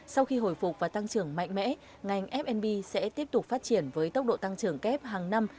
sau khi hồi phục và tăng trưởng mạnh mẽ ngành fnb sẽ tiếp tục phát triển với tốc độ tăng trưởng kép hàng năm